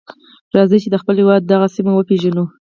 راځئ چې د خپل هېواد دغه سیمه وپیژنو.